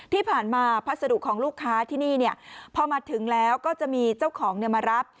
ที่ผ่านมาพัสดุของลูกค้าที่นี่พอมาถึงแล้วก็จะมีเจ้าของมารับ